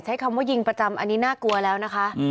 ใช้คำว่ายิงประจำอันนี้น่ากลัวแล้วนะคะ